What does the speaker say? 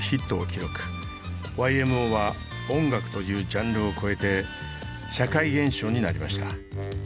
ＹＭＯは音楽というジャンルを超えて社会現象になりました。